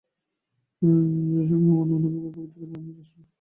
জয়সিংহ মনে মনে প্রতিজ্ঞা করিলেন, আমিই রাজরক্ত আনিব।